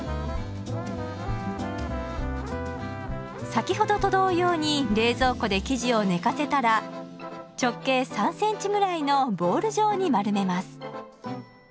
先ほどと同様に冷蔵庫で生地を寝かせたら直径３センチぐらいのボール状に丸めます。